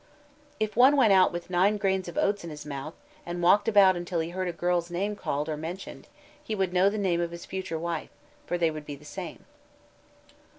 If one went out with nine grains of oats in his mouth, and walked about until he heard a girl's name called or mentioned, he would know the name of his future wife, for they would be the same.